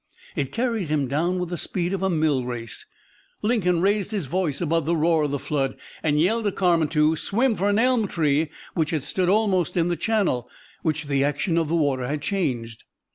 It carried him down with the speed of a mill race. Lincoln raised his voice above the roar of the flood, and yelled to Carman to swim for an elm tree which stood almost in the channel, which the action of the water had changed.